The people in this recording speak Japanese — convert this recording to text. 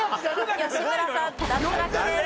吉村さん脱落です。